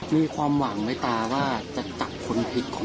มีความหวังไหมตาว่าจะจัดกับคนผิดคนร้าย